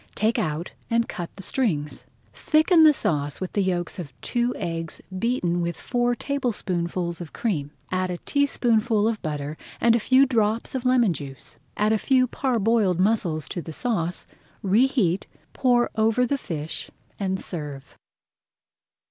Take out and cut the strings. Thicken the sauce with the yolks of two eggs beaten with four tablespoonfuls of cream, add a teaspoonful of butter and a few drops of lemon juice. Add a few parboiled mussels to the sauce, reheat, pour over the fish, and serve.